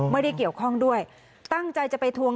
ไม่รู้จริงว่าเกิดอะไรขึ้น